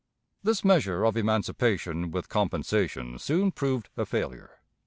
This measure of emancipation with compensation soon proved a failure.